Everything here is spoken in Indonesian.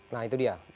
nah itu dia